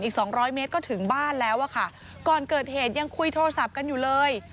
สองร้อยเมตรก็ถึงบ้านแล้วอะค่ะก่อนเกิดเหตุยังคุยโทรศัพท์กันอยู่เลย